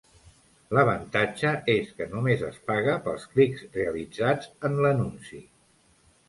L'avantatge és que només es paga pels clics realitzats en l'anunci.